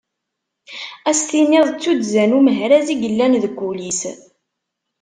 Ad as-tiniḍ d tuddza n umehraz i yellan deg wul-is.